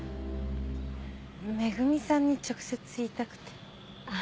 恵さんに直接言いたくて。